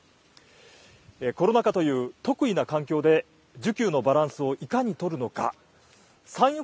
コロナ禍という特異な環境で需給のバランスをいかに取るのか。